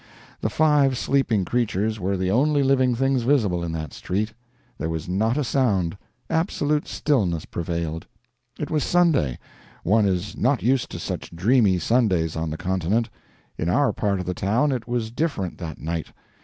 The five sleeping creatures were the only living things visible in that street. There was not a sound; absolute stillness prevailed. It was Sunday; one is not used to such dreamy Sundays on the continent. In our part of the town it was different that night.